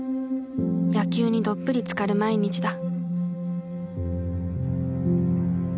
野球にどっぷりつかる毎日だ。